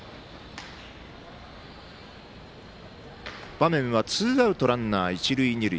場面はツーアウトランナー、一塁二塁。